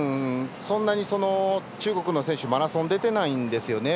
そんなに中国の選手はマラソン出てないんですよね。